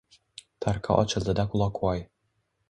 Tarqa ochildida quloqvoy